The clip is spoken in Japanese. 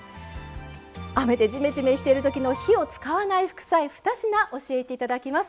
雨でジメジメしてるときの「火を使わない副菜」２品教えていただきます。